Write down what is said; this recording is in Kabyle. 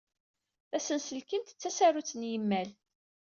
Tasenselkimt d tasarut n yimal!